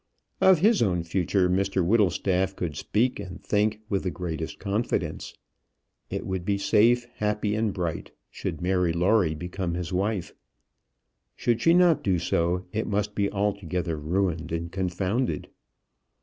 Of his own future Mr Whittlestaff could speak and think with the greatest confidence. It would be safe, happy, and bright, should Mary Lawrie become his wife. Should she not do so, it must be altogether ruined and confounded.